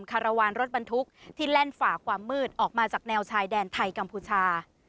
คารวาลรถบรรทุกที่แล่นฝ่าความมืดออกมาจากแนวชายแดนไทยกัมพูชา